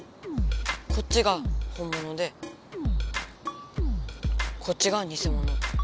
こっちが本物でこっちがにせもの。